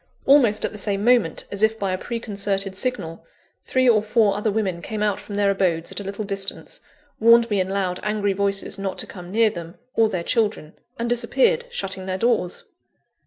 Almost at the same moment, as if by a preconcerted signal, three or four other women came out from their abodes at a little distance, warned me in loud, angry voices not to come near them, or their children; and disappeared, shutting their doors.